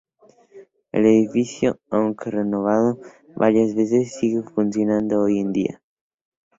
El edificio, aunque renovado varias veces, sigue funcionando hoy en día.